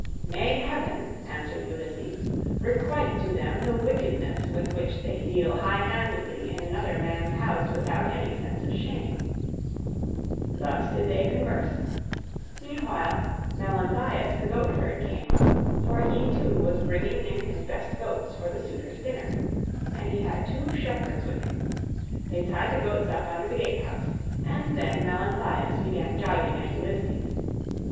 "May heaven," answered Ulysses, "requite to them the wickedness with which they deal high handedly in another man's house without any sense of shame." Thus did they converse; meanwhile Melanthius the goatherd came up, for he too was bringing in his best goats for the suitors' dinner; and he had two shepherds with him. They tied the goats up under the gatehouse, and then Melanthius began gibing at Ulysses.